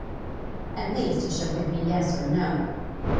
At least he shall give me yes or no.